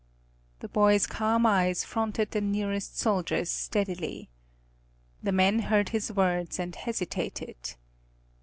The boy's calm eyes fronted the nearest soldiers steadily. The men heard his words and hesitated.